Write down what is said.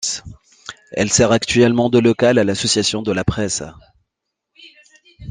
Elle sert actuellement de local à l'Association de la Presse.